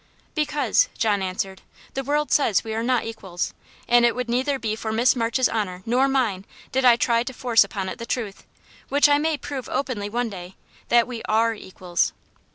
"Because," John answered, "the world says we are not equals, and it would neither be for Miss March's honour nor mine did I try to force upon it the truth which I may prove openly one day that we ARE equals."